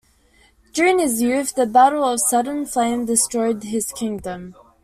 During his youth, the Battle of Sudden Flame destroyed his kingdom.